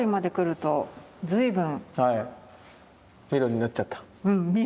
うんミロになっちゃった。